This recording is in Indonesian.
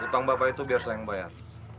hutang bapak itu biar selain bayar